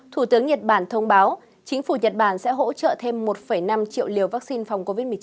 thủ tướng nhật bản thông báo chính phủ nhật bản sẽ hỗ trợ thêm một năm triệu liều vaccine phòng covid một mươi chín